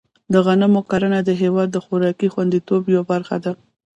د غنمو کرنه د هېواد د خوراکي خوندیتوب یوه برخه ده.